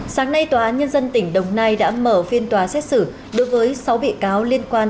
sáng nay tòa án nhân dân tỉnh đồng nai đã mở phiên tòa xét xử đối với sáu bị cáo liên quan